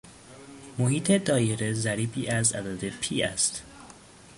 محیط دایره ضریبی از عدد پی است